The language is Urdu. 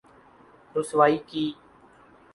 رسوائی کی‘‘۔